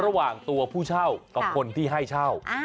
ระหว่างตัวผู้เช่ากับคนที่ให้เช่า